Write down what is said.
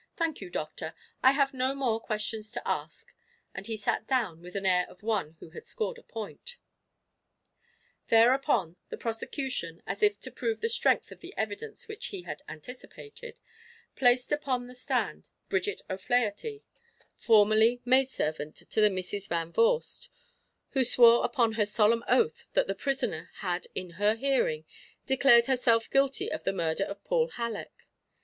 "Thank you, doctor. I have no more questions to ask." And he sat down with the air of one who has scored a point. Thereupon the prosecution, as if to prove the strength of the evidence which he had anticipated, placed upon the stand Bridget O'Flaherty, formerly maid servant to the Misses Van Vorst, who swore upon her solemn oath that the prisoner had in her hearing declared herself guilty of the murder of Paul Halleck.